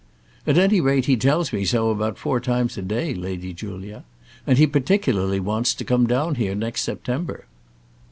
"At any rate he tells me so about four times a day, Lady Julia. And he particularly wants to come down here next September."